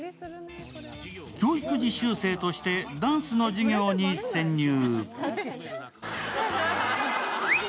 教育実習生としてダンスの授業に潜入。